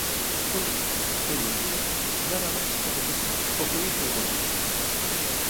Con respecto a Pediatría, nada máis que repetir o que dixo o conselleiro.